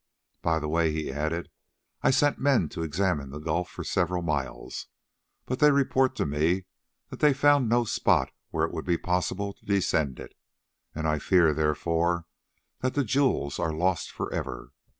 "By the way," he added, "I sent men to examine the gulf for several miles, but they report to me that they found no spot where it would be possible to descend it, and I fear, therefore, that the jewels are lost for ever.